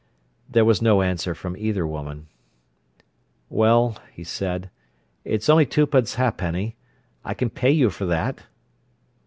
There was no answer from either woman. "Well," he said, "it's only twopence ha'penny. I can pay you for that."